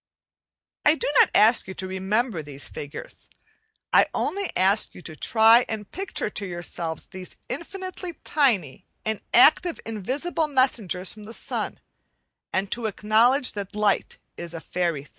* I do not ask you to remember these figures; I only ask you to try and picture to yourselves these infinitely tiny and active invisible messengers from the sun, and to acknowledge that light is a fairy thing.